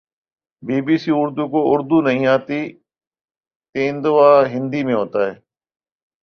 be B C Urdu کو اردو نہیں آتی تیندوا ہندی میں ہوتاہے